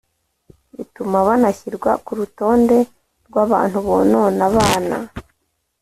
Bituma banashyirwa ku rutonde rw abantu bonona abana